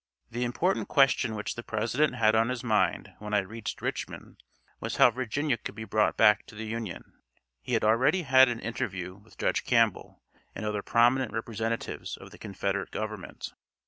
The important question which the President had on his mind when I reached Richmond was how Virginia could be brought back to the Union. He had already had an interview with Judge Campbell and other prominent representatives of the Confederate Government.